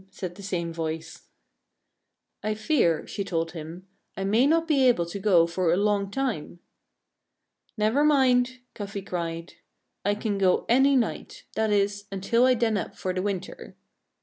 said the same voice. "I fear," she told him, "I may not be able to go for a long time." "Never mind!" Cuffy cried. "I can go any night that is, until I den up for the winter."